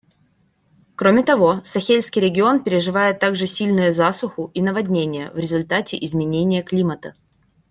Кроме того, Сахельский регион переживает также сильные засуху и наводнения в результате изменения климата.